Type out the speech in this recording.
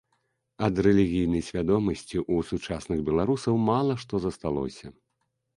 Ад рэлігійнай свядомасці ў сучасных беларусаў мала што засталося.